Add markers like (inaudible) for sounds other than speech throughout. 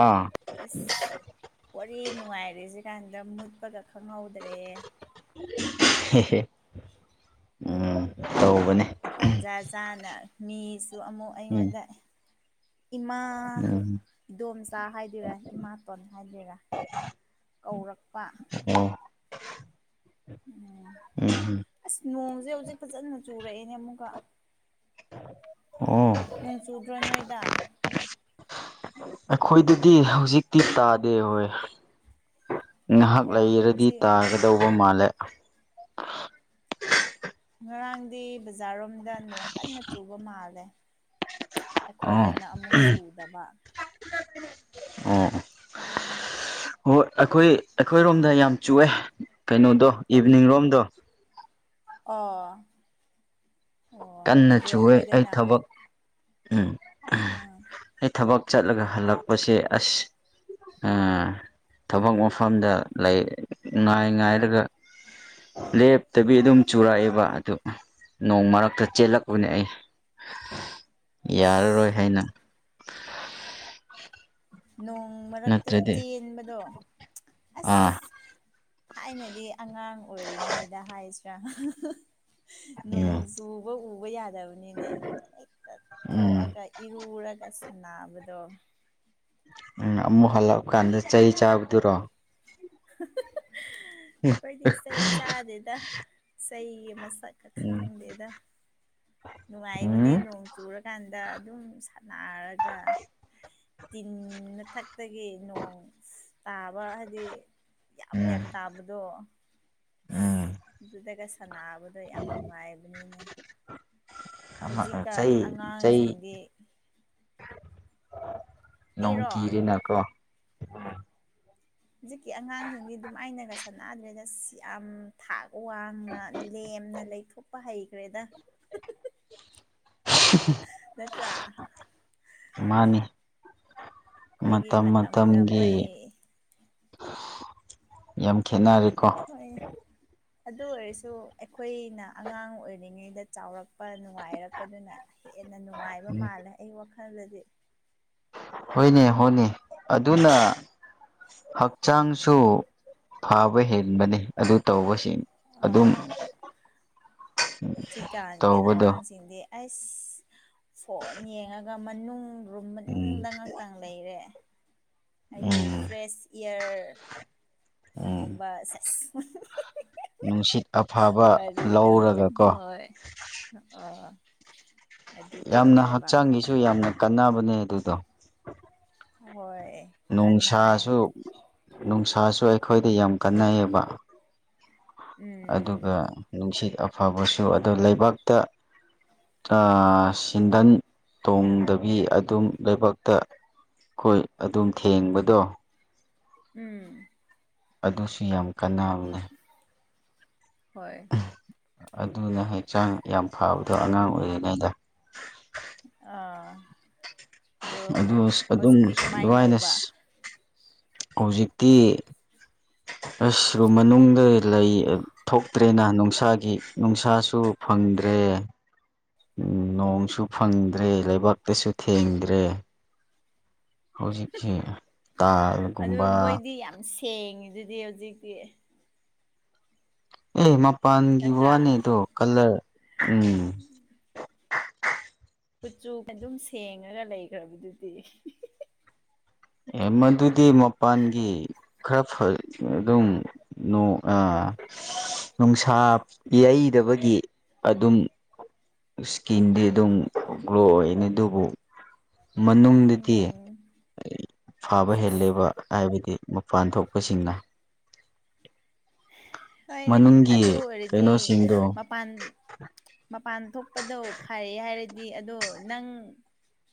ꯑꯥ ꯑꯁ ꯋꯥꯔꯤ ꯅꯨꯡꯉꯥꯏꯔꯤꯁꯤ ꯀꯥꯟꯗ ꯃꯨꯠꯄꯒ ꯈꯪꯍꯧꯗ꯭ꯔꯦ ꯍꯦ ꯍꯦ ꯎꯝ ꯇꯧꯕꯅꯦ ꯇꯥꯟꯖꯥ ꯆꯥꯅ ꯃꯤꯁꯨ ꯑꯃꯨꯛ ꯎꯝ ꯑꯩꯉꯣꯟꯗ ꯏꯃꯥ ꯎꯝ ꯏꯗꯣꯝꯆꯥ ꯍꯥꯏꯗꯣꯏꯔꯥ ꯏꯃꯥꯇꯣꯟ ꯍꯥꯏꯗꯣꯏꯔꯥ ꯀꯧꯔꯛꯄ ꯑꯣ ꯎꯝ ꯎꯝ ꯑꯁ ꯅꯣꯡꯁꯦ ꯍꯧꯖꯤꯛ ꯐꯖꯅ ꯆꯨꯔꯛꯑꯦꯅꯦ ꯑꯃꯨꯛꯀ ꯑꯣ ꯅꯣꯡ ꯆꯨꯗ꯭ꯔꯣ ꯅꯣꯏꯗ ꯑꯩꯈꯣꯏꯗꯗꯤ ꯍꯧꯖꯤꯛꯇꯤ ꯇꯥꯗꯦ ꯍꯣꯏ ꯉꯍꯥꯛ ꯂꯩꯔꯗꯤ ꯍꯧꯖꯤꯛ ꯇꯥꯒꯗꯧꯕ ꯃꯥꯜꯂꯦ ꯉꯔꯥꯡꯗꯤ ꯕꯖꯥꯔꯔꯣꯝꯗ ꯅꯣꯡ ꯀꯟꯅ ꯆꯨꯕ ꯃꯥꯜꯂꯦ ꯑꯥ ꯑꯩꯈꯣꯏꯗꯅ ꯑꯃꯨꯛ ꯆꯨꯗꯕ ꯑꯣ ꯎꯝ ꯍꯣꯏ ꯑꯩꯈꯣꯏ ꯑꯩꯈꯣꯏꯔꯣꯝꯗ ꯌꯥꯝ ꯆꯨꯑꯦ ꯀꯩꯅꯣꯗꯣ ꯏꯚꯅꯤꯡ ꯔꯣꯝꯗꯣ ꯑꯣ ꯑꯣ ꯀꯟꯅ ꯑꯗꯨ ꯆꯨꯑꯦ ꯑꯩ ꯑꯩꯈꯣꯏꯗꯅ ꯊꯕꯛ ꯎꯝ ꯑꯥ ꯑꯩ ꯊꯕꯛ ꯆꯠꯂꯒ ꯍꯜꯂꯛꯄꯁꯦ ꯑꯁ ꯑ ꯊꯕꯛ ꯃꯐꯝꯗ ꯂꯩ ꯉꯥꯏ ꯉꯥꯏꯔꯒ ꯂꯦꯞ ꯇꯕꯤ ꯑꯗꯨꯝ ꯆꯨꯔꯛꯑꯦꯕ ꯑꯗꯨ ꯅꯣꯡ ꯃꯔꯛꯇ ꯆꯦꯜꯂꯛꯄꯅꯦ ꯑꯩ ꯏꯁ ꯌꯥꯔꯔꯣꯏ ꯍꯥꯏꯅ ꯅꯣꯡ ꯃꯔꯛꯇ ꯅꯠꯇ꯭ꯔꯗꯤ ꯆꯦꯟꯕꯗꯣ ꯑꯥ ꯑꯁ ꯊꯥꯏꯅꯗꯤ ꯑꯉꯥꯡ ꯑꯣꯏꯔꯤꯉꯩꯗ ꯍꯥꯏꯁꯤ꯭ꯔꯥ ꯅꯣꯡ ꯎꯝ ꯆꯨꯕ ꯎꯕ ꯌꯥꯗꯕꯅꯤꯅꯦ ꯍꯦꯛꯇ ꯎꯝ ꯊꯣꯛꯑꯒ ꯏꯔꯨꯔꯒ ꯁꯥꯟꯅꯕꯗꯣ ꯎ ꯑꯃꯨꯛ ꯍꯜꯂꯛꯑꯄ ꯀꯥꯟꯗ ꯆꯍꯤ ꯆꯥꯕꯗꯨꯔꯣ ꯑꯩꯈꯣꯏꯗꯤ ꯆꯩ ꯆꯥꯗꯦꯗ ꯆꯩꯒꯤ ꯆꯄꯥ ꯀꯈꯥ ꯎꯝ ꯂꯩꯗ ꯅꯨꯡꯉꯥꯏꯕꯅꯦ ꯎꯝ ꯅꯣꯡ ꯆꯨꯔꯀꯥꯟꯗ ꯑꯗꯨꯝ ꯁꯥꯟꯅꯔꯒ ꯇꯤꯟ ꯃꯊꯛꯇꯒꯤ ꯅꯣꯡ ꯇꯥ ꯐꯕ ꯍꯥꯏꯗꯤ ꯌꯥꯝ ꯎꯝ ꯌꯥꯝ ꯇꯥꯕꯗꯣ ꯑ ꯎꯝ ꯑꯗꯨꯗꯒ ꯁꯥꯟꯕꯗꯣ ꯌꯥꯝ ꯅꯨꯡꯉꯥꯏꯕꯅꯤꯅꯦ ꯑꯃ ꯍꯧꯖꯤꯛꯀꯥꯟ ꯆꯩ ꯆꯩ ꯑꯉꯥꯡꯁꯤꯡꯗꯤ ꯅꯣꯡ ꯑꯩꯔꯣ ꯀꯤꯔꯦꯅꯀꯣ ꯍꯧꯖꯤꯛꯀꯤ ꯑꯉꯥꯡꯁꯤꯡꯗꯤ ꯑꯗꯨꯝꯥꯏꯅꯒ ꯁꯥꯟꯅꯗ꯭ꯔꯦꯗ ꯌꯥꯝ ꯊꯥꯛ ꯋꯥꯡꯅ ꯂꯦꯝꯅ ꯂꯩ ꯄꯄꯥ ꯍ ꯀꯋꯦꯗ ꯇꯥꯗꯔꯦ (inaudible) ꯅꯠꯇꯔ ꯃꯥꯅꯤ ꯑꯩꯈꯣꯏꯒꯤ ꯃꯇꯝ ꯃꯇꯝꯒ ꯃꯇꯝꯒꯤ ꯃꯣꯏ ꯌꯥꯝ ꯈꯦꯅꯔꯦꯀꯣ ꯍꯣꯏ ꯑꯗꯨ ꯑꯣꯏꯔꯁꯨ ꯑꯩꯈꯣꯏꯅ ꯑꯉꯥꯡ ꯑꯣꯏꯔꯤꯉꯩꯗ ꯆꯥꯎꯔꯛ ꯅꯨꯡꯉꯥꯏꯔꯛꯄꯗꯨꯅ ꯍꯦꯟꯅ ꯅꯨꯡꯉꯥꯏꯕ ꯃꯥꯜꯂꯦ ꯑꯩ ꯋꯥꯈꯜꯗꯗꯤ ꯍꯣꯏꯅꯦ ꯍꯣꯏꯅꯦ ꯑꯗꯨꯅ ꯍꯛꯆꯥꯡꯁꯨ ꯐꯕ ꯍꯦꯟꯕꯅꯤ ꯑꯗꯨ ꯇꯧꯕꯁꯤꯡ ꯑꯗꯨꯝ ꯑ ꯍꯧꯖꯤꯛꯀꯥꯟꯒꯤ ꯇꯧꯕꯗꯣ ꯑꯉꯥꯡꯁꯤꯡꯗꯤ ꯑꯁ ꯐꯣꯟ ꯌꯦꯡꯉꯒ ꯃꯅꯨꯡ ꯔꯨꯝ ꯎꯝ ꯃꯅꯨꯡꯗ ꯉꯥꯛꯇꯪ ꯂꯩꯔꯦ ꯍꯥꯏꯗꯤ ꯎꯝ ꯐ꯭ꯔꯦꯁ ꯏꯌꯥꯔ ꯎꯝ ꯝꯕ ꯅꯨꯡꯁꯤꯠ ꯑꯐꯕ ꯋꯥꯔꯤꯗ ꯂꯧꯔꯒꯀꯣ ꯍꯣꯏ ꯑ ꯌꯥꯝꯅ ꯍꯛꯆꯥꯡꯒꯤꯁꯨ ꯌꯥꯝꯅ ꯀꯥꯟꯅꯕꯅꯦ ꯑꯗꯨꯗꯣ ꯍꯣꯏ ꯀꯅꯥꯏ ꯅꯨꯡꯁꯥꯁꯨ ꯅꯨꯡꯁꯥꯁꯨ ꯑꯩꯈꯣꯏꯗ ꯌꯥꯝ ꯀꯥꯟꯅꯩꯌꯦꯕ ꯎꯝ ꯑꯗꯨꯒ ꯅꯨꯡꯁꯤꯠ ꯑꯐꯕꯁꯨ ꯑꯗꯣ ꯂꯩꯕꯥꯛꯇ ꯑ ꯁꯤꯟꯗꯟ ꯇꯣꯡꯗꯕꯤ ꯑꯗꯨꯝ ꯂꯩꯕꯛꯇ ꯑꯩꯈꯣꯏ ꯑꯗꯨꯝ ꯊꯦꯡꯕꯗꯣ ꯎꯝ ꯑꯗꯨꯁꯨ ꯌꯥꯝ ꯀꯥꯟꯅꯦ ꯍꯣꯏ ꯑꯗꯨꯅ ꯍꯛꯆꯥꯡ ꯌꯥꯝ ꯐꯕꯗꯣ ꯑꯉꯥꯡ ꯑꯣꯏꯔꯤꯉꯩꯗ ꯑꯥ ꯑꯗꯣ ꯑꯗꯨ ꯑꯗꯨꯝ ꯍꯧꯖꯤꯛꯇꯤ ꯀꯃꯥꯏꯅ ꯑꯗꯨꯃꯥꯏꯅ ꯇꯧꯕ ꯍꯧꯖꯤꯛꯇꯤ ꯑꯁ ꯃꯅꯨꯡꯗ ꯂꯩ ꯊꯣꯛꯇꯦ ꯇ꯭ꯔꯦꯅ ꯅꯨꯡꯁꯥꯒꯤ ꯅꯨꯡꯁꯥꯁꯨ ꯐꯪꯗ꯭ꯔꯦ ꯅꯣꯡꯁꯨ ꯐꯪꯗ꯭ꯔꯦ ꯂꯩꯕꯥꯛꯇꯁꯨ ꯊꯦꯡꯗ꯭ꯔꯦ ꯍꯧꯖꯤꯛꯁꯤ ꯇꯥꯏꯜꯒꯨꯝꯕ (unintelligible) ꯊꯦꯡꯉꯤꯗꯨꯗꯤ ꯍꯧꯖꯤꯛꯇꯤ ꯑꯦ ꯃꯄꯥꯟꯒꯤ ꯋꯥꯅꯦ ꯅꯠꯇ꯭ꯔꯥ ꯑꯗꯣ ꯀꯂꯔ ꯎꯝ ꯀꯨꯆꯨ ꯑꯗꯨꯝ ꯁꯦꯡꯉꯒ ꯂꯩꯈ꯭ꯔꯕꯗꯨꯗꯤ ꯑꯦ ꯃꯗꯨꯗꯤ ꯃꯄꯥꯟꯒꯤ ꯈꯔ ꯑꯗꯨꯝ ꯅꯨꯡꯁꯥ ꯌꯩꯗꯕꯒꯤ ꯑꯗꯨꯝ ꯏꯁꯀꯤꯟꯗꯤ ꯑꯗꯨꯝ ꯒ꯭ꯂꯣ ꯑꯣꯏꯅꯤ ꯑꯗꯨꯕꯨ ꯃꯅꯨꯡꯗꯗꯤ ꯎꯝ ꯐꯥꯕ ꯁꯦꯁ ꯍꯦꯜꯂꯤꯦꯕ ꯍꯥꯏꯕꯗꯤ ꯃꯄꯥꯟ ꯊꯣꯛꯄꯁꯤꯡꯅ ꯍꯣꯏꯅꯦ ꯑꯗꯨ ꯃꯅꯨꯡꯒꯤ ꯑꯣꯏꯔꯗꯤ ꯀꯩꯅꯣꯁꯤꯡꯗꯣ ꯃꯄꯥꯟ ꯃꯄꯥꯟ ꯊꯣꯛꯄꯗꯣ ꯐꯔ ꯍꯥꯏꯔꯗꯤ ꯑꯗꯣ ꯅꯪ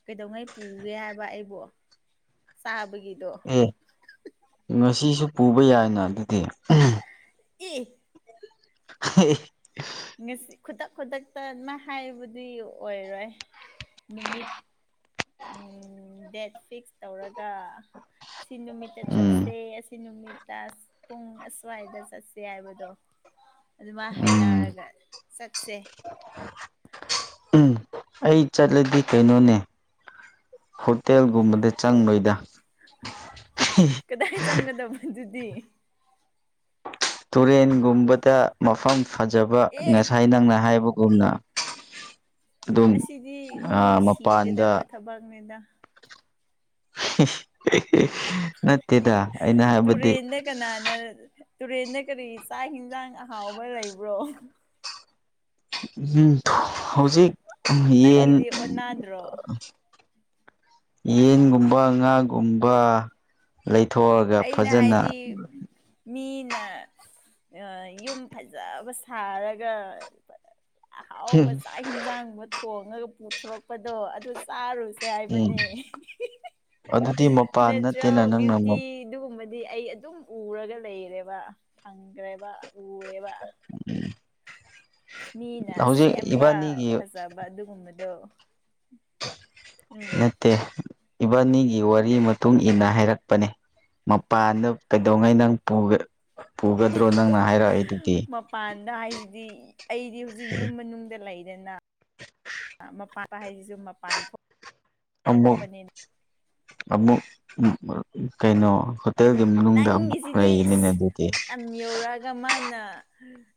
ꯀꯩꯗꯧꯉꯩ ꯄꯨꯒꯦ ꯍꯥꯏꯕ ꯑꯩꯕꯨꯣ ꯆꯥꯕꯒꯤꯗꯣ ꯑꯦ ꯉꯁꯤꯁꯨ ꯄꯨꯕ ꯌꯥꯏꯅ ꯑꯗꯨꯗꯤ ꯏ ꯍꯦ ꯉꯁꯤ ꯈꯨꯗꯛ ꯈꯨꯗꯛꯇꯅ ꯍꯥꯏꯕꯨꯗꯤ ꯑꯣꯏꯔꯣꯏ ꯅꯨꯃꯤꯠ ꯗꯦꯠ ꯐꯤꯛꯁ ꯇꯧꯔꯒ ꯁꯤ ꯅꯨꯃꯤꯠꯇ ꯎꯝ ꯆꯠꯁꯦ ꯑꯁꯤ ꯅꯨꯃꯤꯠꯇ ꯄꯨꯡ ꯑꯁ꯭ꯋꯥꯏꯗ ꯆꯠꯁ ꯍꯥꯏꯕꯗꯣ ꯑꯗꯨꯃꯥꯏꯅ ꯎꯝ ꯍꯥꯏꯅꯔꯒ ꯆꯠꯁꯦ ꯎꯝ ꯑꯩ ꯆꯠꯂꯗꯤ ꯀꯩꯅꯣꯅꯦ ꯍꯣꯇꯦꯜꯒꯨꯝꯕꯗ ꯆꯪꯕꯣꯏꯗ ꯀꯗꯥꯏ ꯆꯪꯒꯗꯕꯣ ꯑꯗꯨꯗꯤ ꯇꯨꯔꯦꯟꯒꯨꯝꯕꯗ ꯃꯐꯝ ꯐꯖꯕ ꯑꯦ ꯉꯁꯥꯏ ꯅꯪꯅ ꯍꯥꯏꯕ ꯑꯗꯨꯨꯝꯅ ꯑꯗꯨꯝ ꯃꯄꯥꯟꯗ ꯊꯕꯥꯒꯅꯤꯗ (unintelligible) ꯑꯩꯅ ꯍꯥꯏꯕꯗꯤ ꯇꯨꯔꯦꯟꯗ ꯀꯅꯥꯅ ꯇꯨꯔꯦꯟꯗ ꯀꯔꯤ ꯆꯥꯛ ꯌꯦꯟꯁꯥꯡ ꯑꯍꯥꯎꯕ ꯂꯩꯕ꯭ꯔꯣ ꯎꯝ ꯍꯧꯖꯤꯛ ꯌꯦꯟ ꯅꯪꯒꯤꯗꯤ ꯑꯣꯟꯅꯗ꯭ꯔꯣ ꯌꯦꯟꯒꯨꯝꯕ ꯉꯥꯒꯨꯝꯕ ꯂꯩꯊꯣꯛꯑꯒ ꯑꯩꯅ ꯐꯖꯅ ꯍꯥꯏꯗꯤ ꯃꯤꯅ ꯌꯨꯝ ꯐꯖꯕ ꯁꯥꯔꯒ ꯑꯍꯥꯎꯕ ꯆꯥꯛ ꯏꯟꯁꯥꯡꯕ ꯊꯣꯡꯉꯒ ꯄꯨꯊꯣꯔꯛꯄꯗꯣ ꯑꯗꯨ ꯆꯥꯔꯨꯁ ꯇꯏꯕ ꯎꯝ ꯑꯗꯨꯗꯤ ꯃꯄꯥꯟ ꯅꯦꯆꯔꯦꯜ ꯅꯠꯇꯦꯅ ꯭ꯨꯇ ꯅꯪꯅ ꯑꯗꯨꯒꯨꯝꯕꯗꯤ ꯑꯩ ꯑꯗꯨꯝ ꯎꯔꯒ ꯂꯩꯔꯦꯕ ꯐꯪꯈ꯭ꯔꯦꯕ ꯎꯔꯦꯕ ꯎꯝ ꯃꯤꯅ ꯁꯦꯝꯕ ꯐꯖꯕ ꯑꯗꯨꯒꯨꯝꯕꯗꯣ ꯎꯝ ꯅꯠꯇꯦ ꯏꯕꯥꯅꯤꯒꯤ ꯋꯥꯔꯤ ꯃꯇꯨꯡ ꯏꯟꯅ ꯍꯥꯏꯔꯛꯄꯅꯤ ꯃꯄꯥꯟꯗ ꯀꯩꯗꯧꯉꯩ ꯅꯪ ꯄꯨꯒꯗ꯭ꯔꯣ ꯅꯪꯅ ꯍꯥꯏꯔꯛꯏꯗꯨꯗꯤ ꯃꯄꯥꯟꯗ ꯍꯥꯏꯁꯤꯗꯤ ꯑꯩꯗꯤ ꯍꯧꯖꯤꯛ ꯌꯨꯝ ꯃꯅꯨꯡꯗ ꯂꯩꯔꯤ ꯑꯗꯨꯅ ꯃꯥꯟ ꯍꯥꯏꯁꯤꯁꯨ ꯃꯄꯥꯟ ꯊꯣꯛ ꯑꯃꯨꯛ ꯑꯃꯨꯛ ꯀꯩꯅꯣ ꯇꯦꯜꯒꯤ ꯃꯅꯨꯡꯗ ꯑꯃꯨꯛ ꯅꯪꯒꯤꯁꯤꯗꯤ ꯂꯩꯅꯤꯅꯦ ꯑꯁ ꯑꯗꯨꯗꯤ (unintelligible) ꯌꯧꯔꯛꯑꯒ ꯃꯥꯅ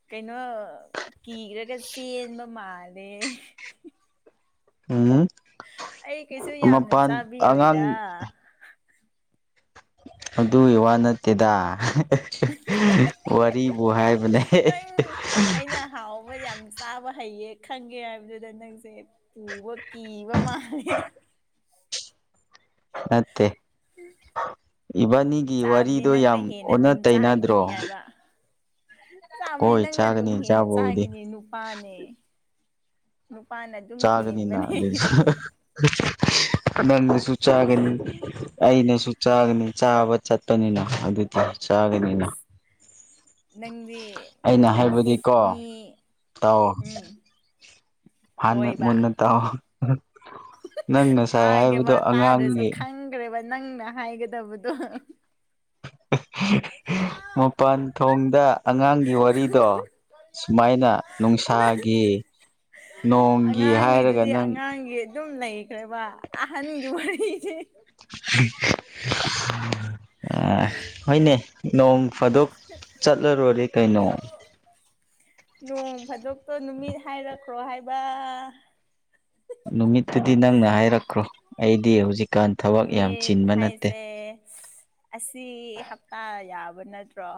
ꯀꯩꯅꯣ ꯀꯤꯔꯒ ꯆꯦꯟꯕ ꯃꯥꯜꯂꯦ ꯎꯝ ꯑꯩ ꯀꯩꯁꯨ ꯌꯥꯝꯅ ꯃꯄꯥꯟ ꯆꯥꯕꯤꯔꯣꯏꯗ ꯑꯉꯥꯡ ꯑꯗꯨꯒꯤ ꯋꯥ ꯅꯠꯇꯦꯗ ꯋꯥꯔꯤꯕꯨ ꯍꯥꯏꯕꯅꯦ ꯅꯪ ꯑꯩꯅ ꯍꯥꯎꯕ ꯌꯥꯝ ꯆꯥꯕ ꯍꯩꯌꯦ ꯈꯪꯉꯦ ꯍꯥꯏꯕꯗꯨꯗ ꯅꯪꯁꯦ ꯄꯨꯕ ꯀꯤꯕ ꯃꯥꯜꯂꯦ ꯅꯠꯇꯦ ꯏꯕꯥꯅꯤ ꯆꯥꯕꯨꯗꯤ ꯅꯪꯅ ꯍꯦꯟꯅ ꯑꯗꯨꯝ ꯆꯥꯈꯤꯅꯤ ꯍꯥꯏꯕ ꯆꯥꯕꯅꯤ ꯍꯣꯏ ꯅꯪꯅ ꯑꯗꯨꯝ ꯆꯥꯒꯅꯤ ꯍꯦꯟꯅ ꯆꯥꯕꯕꯨꯗꯤ ꯆꯥꯈꯤꯅꯤ ꯅꯨꯄꯥꯅꯦ ꯅꯨꯄꯥꯅ ꯑꯗꯨꯝ ꯍꯦꯟꯕꯅꯦ (unintelligible) ꯁꯨ ꯆꯥꯒꯅꯤ ꯑꯩꯅꯁꯨ ꯆꯥꯒꯅꯤ ꯆꯥꯕ ꯆꯠꯄꯅꯤꯅ ꯑꯗꯨꯗꯤ ꯆꯥꯒꯅꯤꯅ ꯅꯪꯗꯤ ꯑꯩꯅ ꯍꯥꯏꯕꯗꯤꯀꯣ ꯃꯤ ꯇꯥꯎ ꯎꯝ ꯍꯥꯟꯅ ꯍꯣꯏꯕ ꯃꯨꯟꯅ ꯇꯥꯎꯑꯣ ꯅꯪ ꯉꯁꯥꯏ ꯍꯥꯏꯕꯗꯣ ꯇꯥꯒꯦꯕ ꯇꯥꯗ꯭ꯔꯁꯨ ꯑꯉꯥꯡꯅꯤ ꯈꯪꯈ꯭ꯔꯦꯕ ꯅꯪꯅ ꯍꯥꯏꯒꯗꯕꯗꯣ ꯃꯄꯥꯟ ꯊꯣꯡꯗ ꯑꯉꯥꯡꯒꯤ ꯋꯥꯔꯤꯗꯣ ꯁꯨꯃꯥꯏꯅ ꯅꯣꯡꯁꯥꯒꯤ ꯅꯣꯡꯒꯤ ꯍꯥꯏꯔꯒ ꯑꯉꯥꯡꯒꯤꯗꯨꯗꯤ ꯅꯪ ꯑꯉꯥꯡꯒꯤ ꯑꯗꯨꯝ ꯂꯩꯈ꯭ꯔꯦꯕ ꯑꯍꯟꯒꯤ ꯋꯥꯔꯤꯁꯦ ꯑ ꯍꯣꯏꯅꯦ ꯅꯣꯡ ꯐꯥꯗꯣꯛ ꯆꯠꯂꯔꯣꯔꯦ ꯀꯩꯅꯣ ꯅꯣꯡ ꯐꯥꯗꯣꯛꯇꯣ ꯅꯨꯃꯤꯠ ꯍꯥꯏꯔꯛꯈ꯭ꯔꯣ ꯍꯥꯏꯕ ꯅꯨꯃꯤꯠꯇꯨꯗꯤ ꯅꯪꯅ ꯍꯥꯏꯔꯛꯈ꯭ꯔꯣ ꯑꯩꯗꯤ ꯍꯨꯖꯤꯛ ꯅꯨꯃꯤꯠ ꯍꯥꯏꯁꯦ ꯑꯁꯤ ꯍꯞꯄꯥ ꯌꯥꯕ ꯅꯠꯇ꯭ꯔꯣ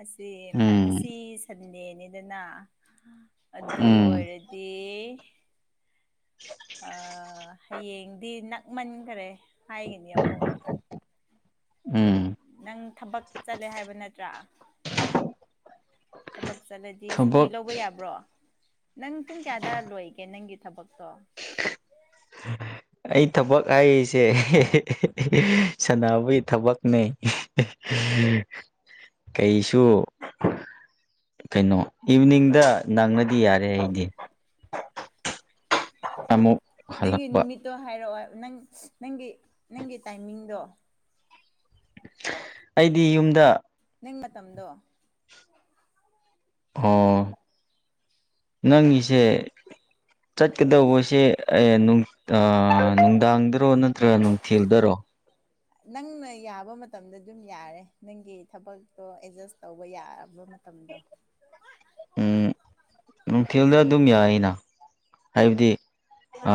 ꯑꯁꯤ ꯎꯝ ꯉꯁꯤ ꯁꯟꯗꯦꯅꯤꯗꯅ ꯑꯗꯨ ꯎꯝ ꯑꯣꯏꯔ ꯗꯤ (inaudible) ꯑ ꯍꯌꯦꯡꯗꯤ ꯅꯛꯃꯟꯈꯔꯦ ꯍꯥꯏꯒꯅꯤ ꯑꯃꯨꯛ (inaudible) ꯅꯪ ꯊꯕꯛ ꯆꯠꯂꯦ ꯍꯥꯏꯕ ꯅꯠꯇ꯭ꯔꯥ ꯊꯕꯛ ꯆꯠꯂꯗꯤ ꯁꯨꯇꯤ ꯊꯕꯛ ꯂꯧꯕ ꯌꯥꯕ꯭ꯔꯣ ꯅꯪ ꯄꯨꯡ ꯀꯌꯥꯗ ꯂꯣꯏꯒꯦ ꯅꯪꯒꯤ ꯊꯕꯛꯇꯣ (inaudible) ꯑꯩ ꯊꯕꯛ ꯍꯥꯏꯔꯤꯁꯦ ꯁꯥꯟꯅꯕꯒꯤ ꯊꯕꯛꯅꯦ ꯀꯩꯁꯨ ꯀꯩꯅꯣ ꯏꯕꯤꯅꯤꯡꯗ ꯅꯪꯉꯗꯤ ꯌꯥꯔꯦ ꯑꯩꯗꯤ ꯑꯃꯨꯛ ꯅꯪꯒꯤ ꯍꯜꯂꯛꯄ ꯅꯨꯃꯤꯠ ꯇꯣ ꯍꯥꯏꯔꯛꯑꯣ ꯅꯪ ꯅꯪꯒꯤ ꯅꯪꯒꯤ ꯇꯥꯏꯃꯤꯡꯗꯣ ꯑꯩꯗꯤ ꯌꯨꯝꯗ ꯅꯪ ꯃꯇꯝꯗꯣ ꯑꯣ ꯅꯪꯒꯤꯁꯦ ꯆꯠꯀꯗꯧꯕꯁꯦ ꯑꯦ ꯅꯨꯡ ꯑ ꯅꯨꯡꯗꯥꯡꯗꯔꯣ ꯅꯠꯇ꯭ꯔꯒ ꯅꯨꯡꯊꯤꯜꯗꯔꯣ ꯅꯪꯅ ꯌꯥꯕ ꯃꯇꯝꯗ ꯑꯗꯨꯝ ꯌꯥꯔꯦ ꯅꯪꯒꯤ ꯊꯕꯛꯇꯣ ꯑꯦꯖꯁ ꯇꯧꯕ ꯌꯥꯔꯕ ꯃꯇꯝꯗꯣ ꯎꯝ ꯅꯨꯡꯊꯤꯜꯗ ꯑꯗꯨꯝ ꯌꯥꯏꯅ ꯍꯥꯏꯕꯗꯤ ꯑ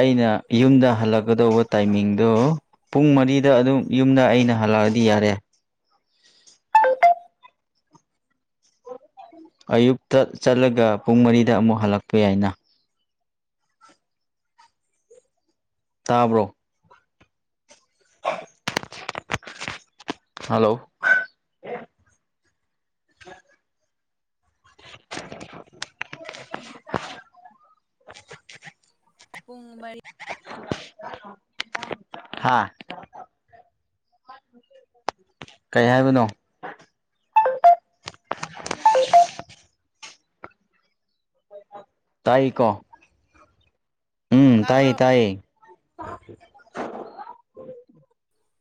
ꯑꯩꯅ ꯌꯨꯝꯗ ꯍꯜꯂꯛ ꯀꯗꯧꯕ ꯇꯥꯏꯃꯤꯡꯗꯣ ꯄꯨꯡ ꯃꯔꯤꯗ ꯑꯗꯨꯝ ꯌꯨꯝꯗ ꯑꯩꯅ ꯍꯜꯂꯛꯑꯗꯤ ꯌꯥꯔꯦ ꯑꯌꯨꯛꯇ ꯆꯠꯂꯒ ꯄꯨꯡ ꯃꯔꯤꯗ ꯑꯃꯨꯛ ꯍꯜꯂꯛꯄ ꯌꯥꯏꯅ ꯇꯥꯕ꯭ꯔꯣ ꯍꯜꯂꯣ ꯄꯨꯡ ꯃꯔꯤ ꯍꯥꯥ ꯀꯩ ꯍꯥꯏꯕꯅꯣ ꯇꯥꯏꯀꯣ ꯎꯝ ꯇꯥꯏꯌꯦ ꯇꯥꯕ꯭ꯔꯣ ꯇꯥꯏꯌꯦ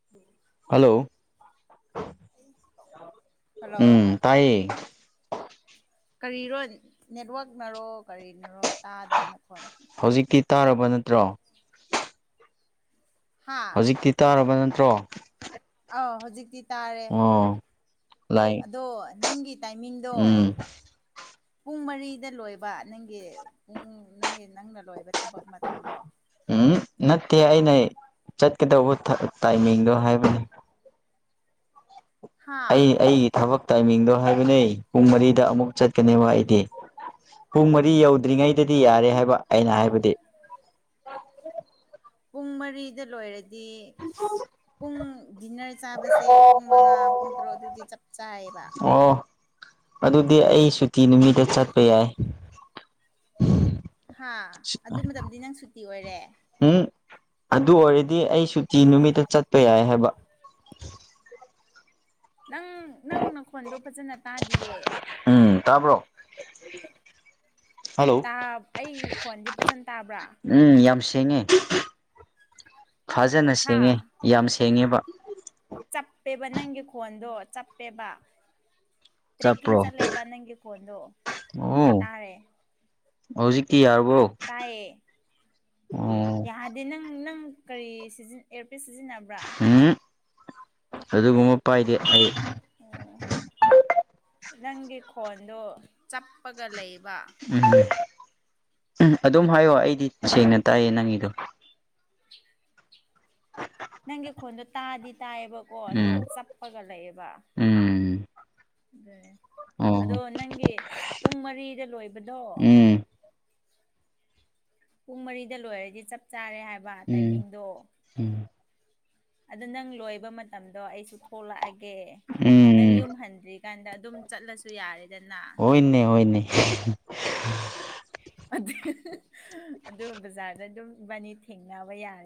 (unintelligible) ꯍꯜꯂꯣ ꯍꯜꯂꯣ ꯎꯝ ꯇꯥꯏꯌꯦ ꯀꯔꯤꯔꯣ ꯅꯦꯠꯋꯥꯛꯅꯔꯣ ꯀꯔꯤꯅꯔꯣ ꯇꯥꯗ꯭ꯔꯦ ꯅꯈꯣꯟ ꯍꯧꯖꯤꯛꯇꯤ ꯇꯥꯔꯕ ꯅꯠꯇ꯭ꯔꯣ (inaudible) ꯍꯥ ꯍꯧꯖꯤꯛꯇꯤ ꯇꯥꯔꯕ ꯅꯠꯇ꯭ꯔꯣ ꯑꯧ ꯍꯧꯖꯤꯛꯇꯤ ꯇꯥꯔꯦ ꯑꯣ ꯂꯥꯏ ꯑꯗꯣ ꯅꯪꯒꯤ ꯇꯥꯏꯃꯤꯡꯗꯣ ꯎꯝ ꯄꯨꯡ ꯃꯔꯤꯗ ꯂꯣꯏꯕ ꯅꯪꯒꯤ ꯄꯨꯡ ꯅꯪꯒꯤ ꯅꯪꯅ ꯂꯣꯏꯕ ꯊꯕꯛ ꯃꯇꯝꯗꯣ ꯎꯝ ꯅꯠꯇꯦ ꯑꯩꯅ ꯆꯠꯀꯗꯧꯕ ꯇꯥꯏꯃꯤꯡꯗꯣ ꯍꯥꯏꯕꯅꯦ ꯑꯩ ꯍꯥ ꯑꯩꯒꯤ ꯊꯕꯛ ꯇꯥꯏꯃꯤꯡꯗꯣ ꯍꯥꯏꯕꯅꯦ ꯄꯨꯡ ꯃꯔꯤꯗ ꯑꯃꯨꯛ ꯆꯠꯀꯅꯦꯕ ꯑꯩꯗꯤ ꯄꯨꯡ ꯃꯔꯤ ꯌꯧꯗ꯭ꯔꯤꯉꯩꯗꯗꯤ ꯌꯥꯔꯦ ꯍꯥꯏꯕ ꯑꯩꯅ ꯍꯥꯏꯕꯗꯤ ꯄꯨꯡ ꯃꯔꯤꯗ ꯂꯣꯏꯔꯗꯤ ꯄꯨꯡ ꯗꯤꯟꯅꯔ ꯆꯥꯕꯁꯦ ꯄꯨꯡ ꯃꯉꯥ ꯄꯨꯡ ꯇꯔꯨꯛ ꯑꯗꯨꯗꯤ ꯆꯞ ꯆꯥꯏꯌꯦꯕ ꯑꯣ ꯑꯗꯨꯗꯤ ꯑꯩ ꯁꯨꯇꯤ ꯅꯨꯃꯤꯠꯇ ꯆꯠꯄ ꯌꯥꯏ ꯍꯥ ꯑꯗꯨ ꯃꯇꯝꯗꯤ ꯅꯪ ꯁꯨꯇꯤ ꯑꯣꯏꯔꯦ ꯎꯪ ꯑꯗꯨ ꯑꯣꯏꯔꯗꯤ ꯑꯩ ꯁꯨꯇꯤ ꯅꯨꯃꯤꯠꯇ ꯆꯠꯄ ꯌꯥꯏ ꯍꯥꯏꯕ ꯅꯪ ꯅꯪ ꯅꯈꯣꯟꯗꯣ ꯐꯖꯅ ꯇꯥꯗꯤꯌꯦ ꯎꯝ ꯇꯥꯕ꯭ꯔꯣ ꯍꯜꯂꯣ ꯇꯥꯞ ꯑꯩ ꯈꯣꯟꯖꯦ ꯐꯖꯅ ꯇꯥꯕ꯭ꯔꯥ ꯎꯝ ꯌꯥꯝ ꯁꯦꯡꯉꯦ ꯐꯖꯅ ꯍꯥ ꯁꯦꯡꯉꯦ ꯌꯥꯝ ꯁꯦꯡꯉꯦꯕ ꯆꯞꯄꯦꯕ ꯅꯪꯒꯤ ꯈꯣꯟꯗꯣ ꯆꯞꯄꯦꯕ ꯇ꯭ꯔꯦꯛꯀꯤꯡ ꯆꯠꯄ꯭ꯔꯣ ꯆꯠꯂꯦꯕ ꯅꯪꯒꯤ ꯈꯣꯟꯗꯣ ꯑꯣ ꯇꯥꯔꯦ ꯍꯧꯖꯤꯛꯇꯤ ꯌꯥꯔꯕꯣ ꯇꯥꯏꯌꯦ ꯑꯣ ꯌꯥꯗ ꯗꯦ ꯅꯪ ꯅꯪ ꯀꯔꯤ ꯁꯤꯖꯤꯟ ꯑꯦꯌꯔꯄꯤꯁ ꯁꯤꯖꯤꯟꯅꯕ꯭ꯔꯥ ꯎꯝ ꯑꯗꯨꯒꯨꯝꯕ ꯄꯥꯏꯗꯦ ꯑꯩ ꯑꯣ ꯅꯪꯒꯤ ꯈꯣꯟꯗꯣ ꯆꯞꯄꯒ ꯂꯩꯕ ꯎꯝ ꯎꯝ ꯑꯗꯨꯝ ꯍꯥꯏꯌꯣ ꯑꯩꯗꯤ ꯁꯦꯡꯅ ꯇꯥꯏꯌꯦ ꯅꯪꯒꯤꯗꯣ (unintelligible) (unintelligible) ꯅꯪꯒꯤ ꯈꯣꯟꯗꯣ ꯇꯥꯗꯤ ꯇꯥꯏꯌꯦꯕꯀꯣ ꯑꯗꯣ ꯎꯝ ꯆꯞꯄꯒ ꯂꯩꯌꯦꯕ ꯎꯝ ꯑꯣ ꯑꯗꯣ ꯅꯪꯒꯤ ꯄꯨꯡ ꯃꯔꯤꯗ ꯂꯣꯏꯕꯗꯣ ꯎꯝ ꯄꯨꯡ ꯃꯔꯤꯗ ꯂꯣꯏꯔꯗꯤ ꯆꯞ ꯆꯥꯔꯦ ꯍꯥꯏꯕ ꯎꯝ ꯇꯥꯏꯃꯤꯡꯗꯣ ꯎꯝ ꯑꯗꯨ ꯅꯪ ꯂꯣꯏꯕ ꯃꯇꯝꯗꯣ ꯑꯩꯁꯨ ꯊꯣꯛꯂꯛꯑꯒꯦ ꯅꯪ ꯎꯝ ꯌꯨꯝ ꯍꯟꯗ꯭ꯔꯤꯀꯥꯟꯗ ꯑꯗꯨꯝ ꯆꯠꯂꯁꯨ ꯌꯥꯔꯦꯗꯅ ꯏꯅꯦ ꯍꯣꯏꯅꯦ ꯑꯗꯨ ꯑꯗꯨ ꯕꯖꯥꯔꯗ ꯑꯗꯨꯝ ꯏꯕꯥꯅꯤ ꯊꯦꯡꯅꯕ ꯌꯥꯔꯦ